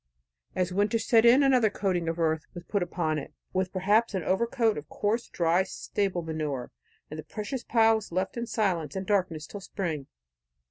As winter set in, another coating of earth was put upon it, with perhaps an overcoat of coarse dry stable manure, and the precious pile was left in silence and darkness till spring.